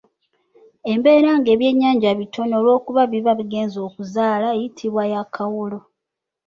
Embeera nga ebyennyanja bitono olw'okuba biba bigenze okuzaala eyitibwa ya Kawolo.